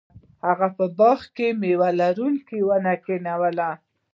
هغه په باغ کې میوه لرونکې ونې کینولې.